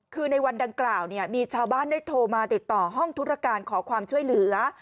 คือในวันดังกล่าวเนี่ยมีชาวบ้านได้โทรมาติดต่อห้องธุรการขอความช่วยเหลือ